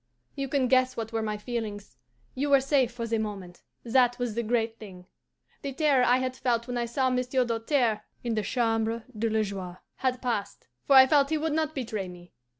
"You can guess what were my feelings. You were safe for the moment that was the great thing. The terror I had felt when I saw Monsieur Doltaire in the Chambre de la Joie had passed, for I felt he would not betray me.